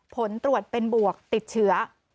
ผลตรวจเป็นบวกติดเชื้อ